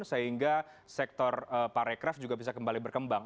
pak raycraft juga bisa kembali berkembang